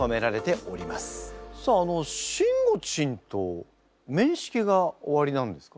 さあしんごちんと面識がおありなんですか？